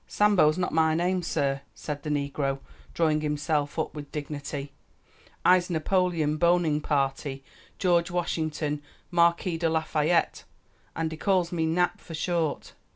"Sambo's not my name, sah," said the negro, drawing himself up with dignity; "I'se Napoleon Boningparty George Washington Marquis de Lafayette, an' dey calls me Nap for short.